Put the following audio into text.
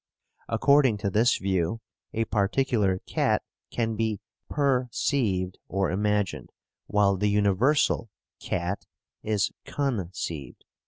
According to this view, a particular cat can be PERceived or imagined, while the universal "cat" is CONceived.